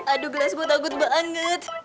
aduh gles gua takut banget